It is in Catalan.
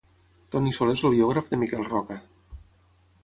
Toni Soler és el biògraf de Miquel Roca.